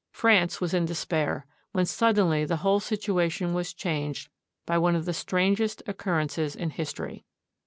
France was in despair, when suddenly the whole situation was changed by one of the strangest occur rences in history.